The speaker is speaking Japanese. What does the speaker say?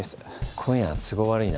今夜は都合悪いな。